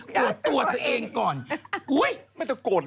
โกดตัวตัวเองก่อนอย่าต้องโกด